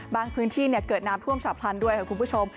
พื้นที่เกิดน้ำท่วมฉับพลันด้วยค่ะคุณผู้ชม